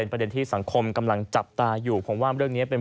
ประเด็นที่สังคมกำลังจับตาอยู่ผมว่าเรื่องนี้เป็น